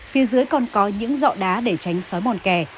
phía dưới còn có những dọ đá để tránh sói mòn kè